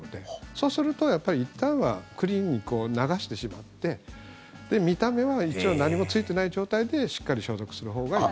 そうするとやっぱりいったんはクリーンに、流してしまって見た目は一応何もついてない状態でしっかり消毒するほうがいい。